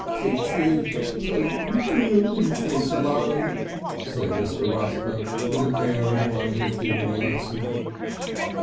"Teach you (kik) to leave things alone," said Mr. Rusper with an air of one who has given a lesson.